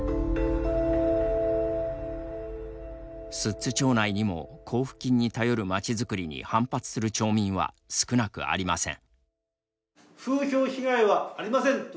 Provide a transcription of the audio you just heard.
寿都町内にも交付金に頼る町づくりに反発する町民は少なくありません。